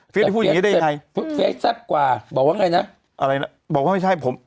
พูดอย่างงี้ได้ยังไงเฟสแซ่บกว่าบอกว่าไงนะอะไรนะบอกว่าไม่ใช่ผม